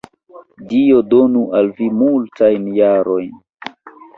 Dio donu al vi multajn jarojn!